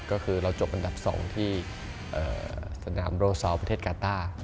ก็คือเราจบอันดับ๒ที่สนามโรซอลประเทศกาต้า